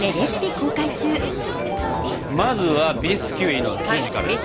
まずはビスキュイの生地からですね。